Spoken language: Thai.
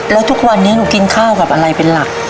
แล้วทุกวันนี้หนูกินข้าวกับอะไรเป็นหลัก